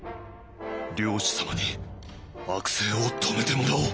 「領主様に悪政を止めてもらおう」。